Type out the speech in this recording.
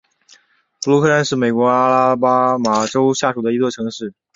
布鲁克山是美国阿拉巴马州下属的一座城市。